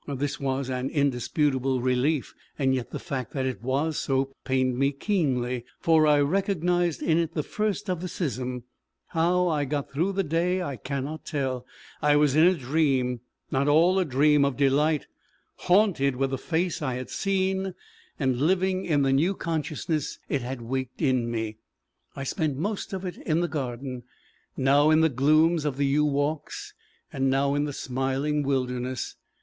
This was an indisputable relief, yet the fact that it was so, pained me keenly, for I recognized in it the first of the schism. How I got through the day, I cannot tell. I was in a dream, not all a dream of delight. Haunted with the face I had seen, and living in the new consciousness it had waked in me, I spent most of it in the garden, now in the glooms of the yew walks, and now in the smiling wilderness.